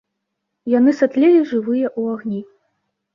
Яны сатлелі жывыя ў агні.